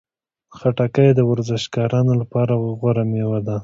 خټکی د ورزشکارانو لپاره یوه غوره میوه ده.